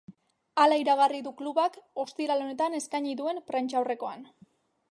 Hala iragarri du klubak, ostiral honetan eskaini duen prentsaurrekoan.